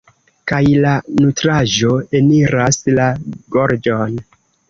Kaj la nutraĵo eniras la gorĝon.